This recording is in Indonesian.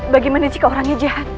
bagaimana jika orangnya jahat